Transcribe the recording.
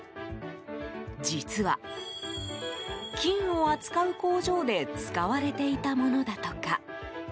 実は、金を扱う工場で使われていたものだとか。